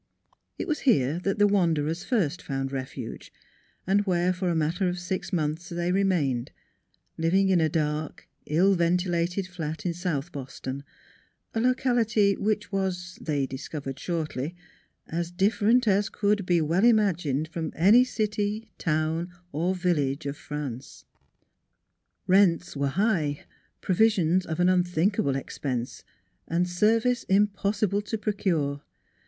It was here that the wanderers first found refuge, and where for a matter of six months they remained, living in a dark, illy ventilated flat in South Boston, a locality which was they discovered shortly as different as could be well imagined from any city, town, or village of France. Rents were high, pro visions of an unthinkable expense, and service im possible to procure.